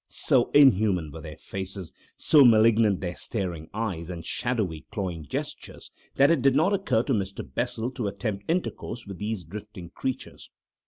So inhuman were these faces, so malignant their staring eyes, and shadowy, clawing gestures, that it did not occur to Mr. Bessel to attempt intercourse with these drifting creatures.